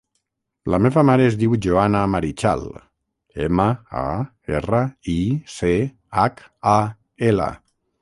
La meva mare es diu Joana Marichal: ema, a, erra, i, ce, hac, a, ela.